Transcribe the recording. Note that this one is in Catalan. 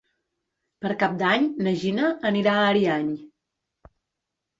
Per Cap d'Any na Gina anirà a Ariany.